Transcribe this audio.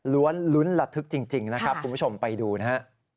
ลุ้นลุ้นระทึกจริงนะครับคุณผู้ชมไปดูนะฮะ